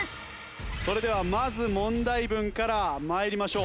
それではまず問題文から参りましょう。